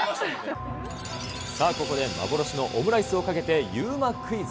さあ、ここで幻のオムライスをかけてＵＭＡクイズ。